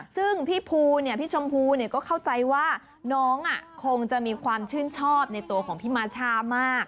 ซึ่งพี่ภูเนี่ยพี่ชมพูก็เข้าใจว่าน้องคงจะมีความชื่นชอบในตัวของพี่มาช่ามาก